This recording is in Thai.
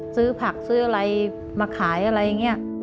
ซื้อผักซื้ออะไรมาขายอะไรอย่างนี้